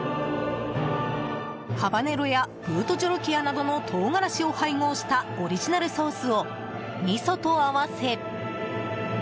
ハバネロやブートジョロキアなどの唐辛子を配合したオリジナルソースをみそと合わせ。